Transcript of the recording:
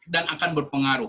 dan akan berpengaruh